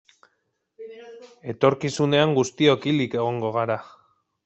Etorkizunean guztiok hilik egongo gara.